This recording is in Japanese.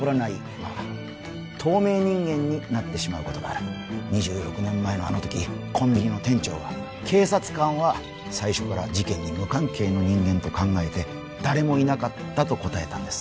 まあ透明人間になってしまうことがある２６年前のあの時コンビニの店長は警察官は最初から事件に無関係の人間と考えて誰もいなかったと答えたんです